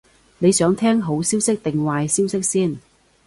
你想聽好消息定壞消息先？